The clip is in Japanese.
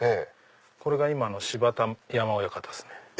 これが今の芝田山親方ですね。